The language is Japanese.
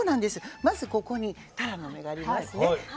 まずここにタラの芽がありますね。